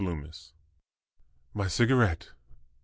LUMMIS My cigarette!